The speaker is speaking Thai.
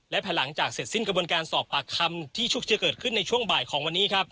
และภายหลังจากเสร็จสิ้นกระบวนการสอบปากคำที่ชุกจะเกิดขึ้นในช่วงบ่ายของวันนี้ครับ